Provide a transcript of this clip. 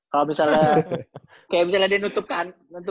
kalau misalnya dia menutupkan